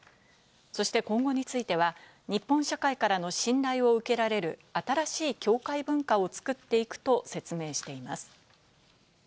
そして今後については、日本社会からの信頼を受けられる新しい教会文化を作っていくと説明しています。